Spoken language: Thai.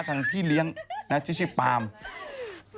ทางที่เลี้ยงชิคกี้พายปาล์ม